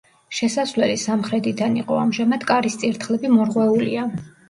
შესასვლელი სამხრეთიდან იყო, ამჟამად კარის წირთხლები მორღვეულია.